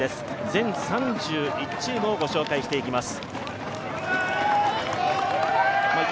全３１チームをご紹介していきます。